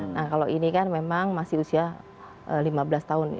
nah kalau ini kan memang masih usia lima belas tahun